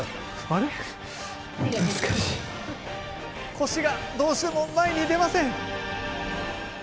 腰がどうしても前に出ません。